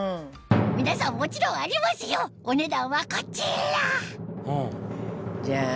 皆さんもちろんありますよお値段はこちらジャン。